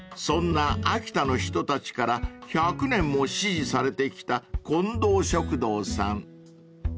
［そんな秋田の人たちから１００年も支持されてきたこんどう食堂さん］